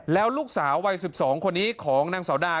แล้วลูกสาววัย๑๒คนนี้ของนางสาวดา